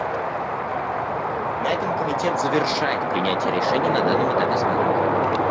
На этом Комитет завершает принятие решений на данном этапе своей работы.